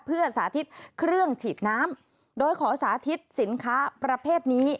เพื่อสาธิตเครื่องฉีดน้ำโดยขอสาธิตสินค้าประเภทนี้